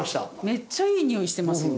めっちゃいいにおいしてますよ